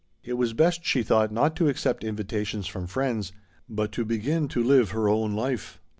And it was best, she thought, not to accept invitations from friends, but to begin to live her own life.